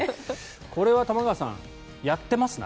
これは玉川さん、やってますな。